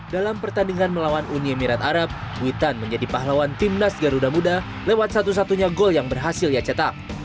dalam pertandingan melawan uni emirat arab witan menjadi pahlawan timnas garuda muda lewat satu satunya gol yang berhasil ia cetak